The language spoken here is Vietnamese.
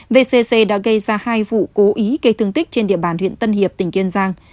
vcc đã gây ra hai vụ cố ý gây thương tích trên địa bàn huyện tân hiệp tỉnh kiên giang